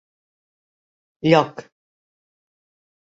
Lloc: